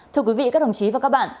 thưa quý vị các đồng chí và các bạn